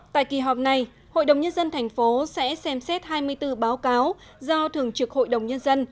tại kỳ họp này hội đồng nhân dân thành phố sẽ xem xét hai mươi bốn báo cáo do thường trực hội đồng nhân dân